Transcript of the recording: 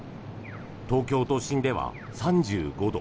東京都心では３５度。